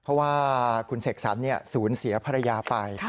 เพราะว่าคุณเสกสรรสูญเสียภรรยาไป